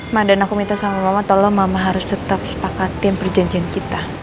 mah dan aku minta sama mama tolong mama harus tetap sepakatin perjanjian kita